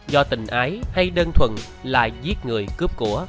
do tình ái hay đơn thuần là giết người cướp của